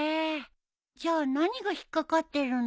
じゃあ何が引っ掛かってるの？